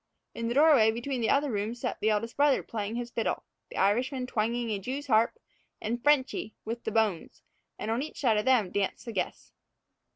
In the doorway between the other rooms sat the eldest brother playing his fiddle, the Irishman twanging a jews' harp, and "Frenchy" with the bones; and on each side of them danced the guests.